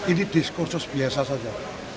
ini diskursus biasa saja